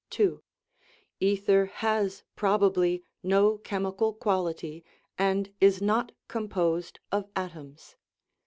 II. Ether has probably no chemical quality, and is not composed of atoms.